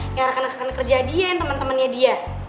yang rekan rekan kerja dia temen temennya dia